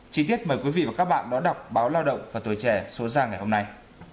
chí tiết mời quý vị và các bạn đón đọc báo lao động và tuổi trẻ số ra ngày hôm nay